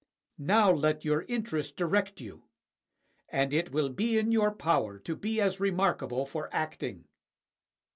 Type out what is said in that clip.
Now let your interest direct you, and it will be in your power to be as remarkable for acting.